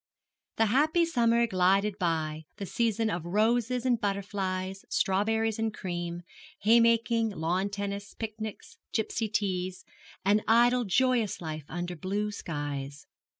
The happy summer glided by the season of roses and butterflies, strawberries and cream, haymaking, lawn tennis, picnics, gipsy teas an idle, joyous life under blue skies.